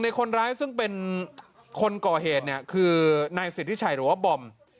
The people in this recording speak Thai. คนร้ายซึ่งเป็นคนก่อเหตุเนี่ยคือนายสิทธิชัยหรือว่าบอม